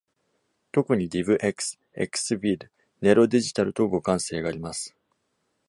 特に、DivX、Xvid、Nero Digital と互換性があります。